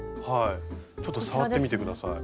ちょっと触ってみて下さい。